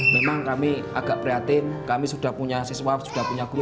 memang kami agak prihatin kami sudah punya siswa sudah punya guru